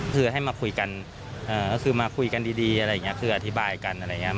คือให้มาคุยกันก็คือมาคุยกันดีอะไรอย่างนี้คืออธิบายกันอะไรอย่างนี้